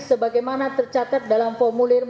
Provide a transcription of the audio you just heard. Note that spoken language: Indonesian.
sebagaimana tercatat dalam formulir